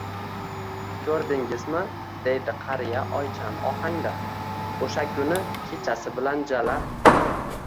—Ko'rdingizmi, — deydi qariya oychan ohangda, — o'sha kuni kechasi bilan jala